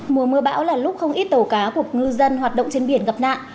mùa mưa bão là lúc không ít tàu cá của ngư dân hoạt động trên biển gặp nạn